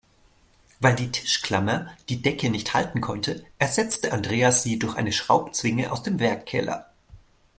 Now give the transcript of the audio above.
Weil die Tischklammer die Decke nicht halten konnte, ersetzte Andreas sie durch eine Schraubzwinge aus dem Werkkeller.